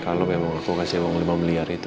kalo memang aku kasih uang lima miliar itu ke mereka